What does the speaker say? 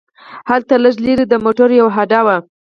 هلته لږ لرې د موټرو یوه هډه وه.